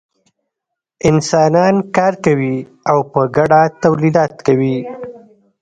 انسانان کار کوي او په ګډه تولیدات کوي.